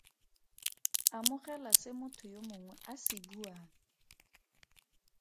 Amogela se motho yo mongwe a se buang.